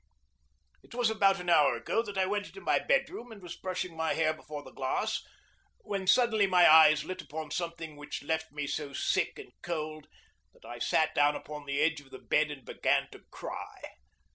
It was about an hour ago that I went into my bedroom, and was brushing my hair before the glass, when suddenly my eyes lit upon something which left me so sick and cold that I sat down upon the edge of the bed and began to cry.